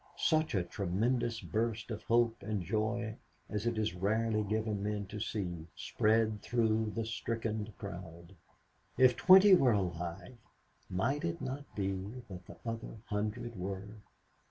Such a tremendous burst of hope and joy as it is rarely given men to see spread through the stricken crowd. If twenty were alive, might it not be that the other hundred were?